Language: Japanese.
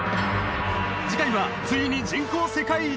次回はついに人口世界一！